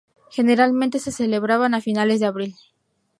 Generalmente se celebraban a finales de abril.